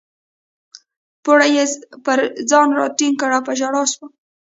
پوړنی یې پر ځان راټینګ کړ او په ژړا شوه.